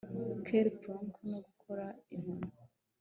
ker plunk no gutora inkoni